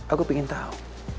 aku pingin tahu